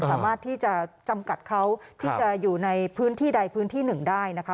สามารถที่จะจำกัดเขาที่จะอยู่ในพื้นที่ใดพื้นที่หนึ่งได้นะคะ